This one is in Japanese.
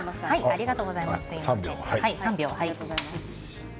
ありがとうございます。